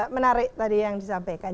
menarik tadi yang disampaikan